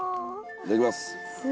いただきます。